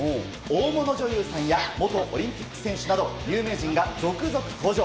応募の女優さんや元オリンピック選手など有名人が続々登場。